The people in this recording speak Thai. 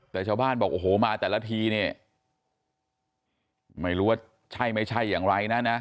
แต่ชาวบ้านบอกโอ้โหมาแต่ละทีเนี่ยไม่รู้ว่าใช่ไม่ใช่อย่างไรนะนะ